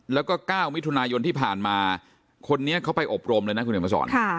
แล้วก็๙มิถุนายนที่ผ่านมาคนนี้เขาไปอบรมเลยนะคุณเห็นมาสอน